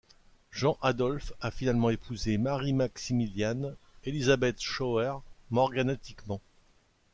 Jean Adolphe a finalement épousé Marie Maximiliane Elisabeth Schauer morganatiquement.